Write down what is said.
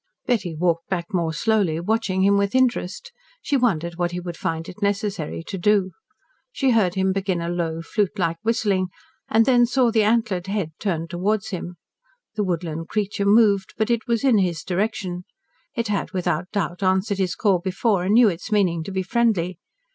Betty walked back more slowly, watching him with interest. She wondered what he would find it necessary to do. She heard him begin a low, flute like whistling, and then saw the antlered head turn towards him. The woodland creature moved, but it was in his direction. It had without doubt answered his call before and knew its meaning to be friendly.